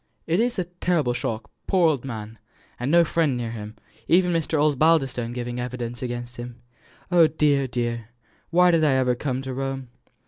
"It is a terrible shock poor old man! and no friend near him, even Mr. Osbaldistone giving evidence again him. Oh, dear, dear! why did I ever come to Rome?"